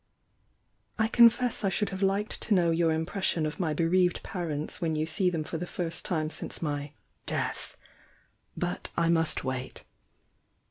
I confess I should have liked to know your impres sion of my bereaved parents when you see them for the first time since my 'death!'— but I must wait.